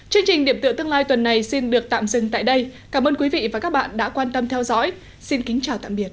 chương trình điểm tựa tương lai tuần này xin được tạm dừng tại đây cảm ơn quý vị và các bạn đã quan tâm theo dõi xin kính chào tạm biệt